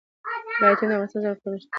ولایتونه د افغانستان د زرغونتیا یوه نښه ده.